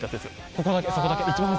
ここだけそこだけ一番端。